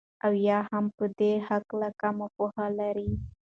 او يا هم په دي هكله كمه پوهه لري